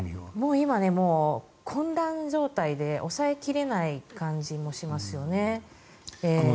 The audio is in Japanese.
今、混乱状態で抑え切れない感じもしますよね。